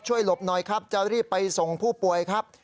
หลบหน่อยครับจะรีบไปส่งผู้ป่วยครับ